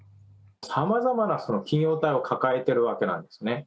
さまざまな企業体を抱えているわけなんですね。